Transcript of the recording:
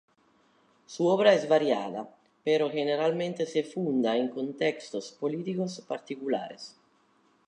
Su obra es variada, pero generalmente se funda en contextos políticos particulares.